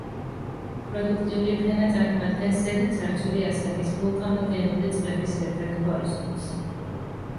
პროდუქტიული ფენა წარმოადგენს ზედაცარცული ასაკის ვულკანოგენური წყების ერთ-ერთ ჰორიზონტს.